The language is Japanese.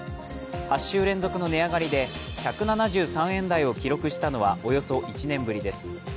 ８週連続の値上がりで１７３円台を記録したのはおよそ１年ぶりです。